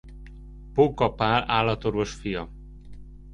Póka Pál állatorvos fia.